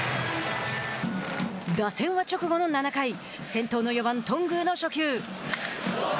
打線は直後の７回先頭の４番頓宮の初球。